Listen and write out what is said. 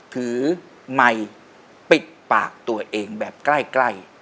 ถือไหมปิดปากตัวเองแบบใกล้